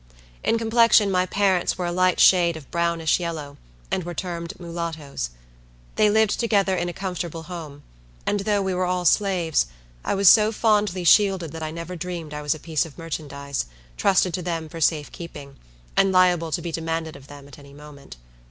In complexion my parents were a light shade of brownish yellow, and were termed mulattoes. They lived together in a comfortable home; and, though we were all slaves, I was so fondly shielded that I never dreamed I was a piece of merchandise, trusted to them for safe keeping, and liable to be demanded of them at any moment.